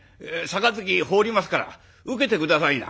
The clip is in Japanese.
杯放りますから受けて下さいな」。